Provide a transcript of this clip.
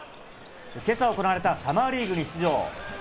今朝、行われたサマーリーグに出場。